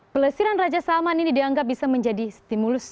pelesiran raja salman ini dianggap bisa menjadi stimulus